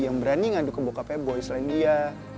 yang berani ngaduk ke bokapnya boy selain dia